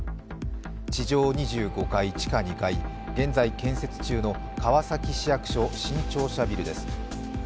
地上２５階・地下２階、現在建設中の川崎市役所・新庁舎ビルです。